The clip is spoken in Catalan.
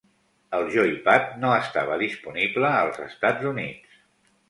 El Joypad no estava disponible als Estats Units.